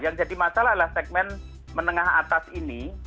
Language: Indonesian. yang jadi masalah adalah segmen menengah atas ini